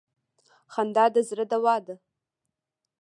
خندا د زړه دوا ده.